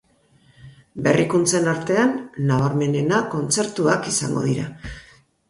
Berrikuntzen artean nabarmenena, kontzertuak izango dira.